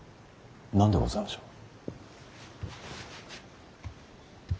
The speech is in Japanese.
何でございましょう。